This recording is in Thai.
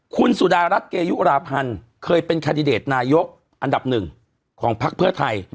คุณสุดารัฐเกยุราพันธ์เคยเป็นคาดิเดตนายกอันดับหนึ่งของพักเพื่อไทย